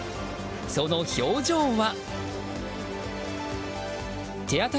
その表情は？